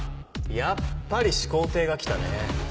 やっぱり始皇帝が来たね。